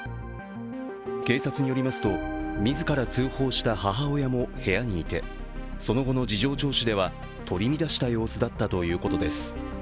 警察によりますと、自ら通報した母親も部屋にいて、その後の事情聴取では取り乱した様子だったということです。